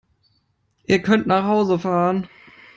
Ihr könnt nach Hause fahren!